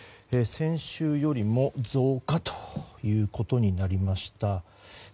先週よりも増加ということになりました。